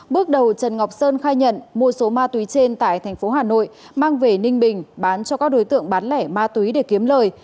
bước đầu trần ngọc sơn khai nhận mua số ma túy trên tại thành phố hà nội mang về ninh bình bán cho các đối tượng bán lẻ ma túy để kiếm lời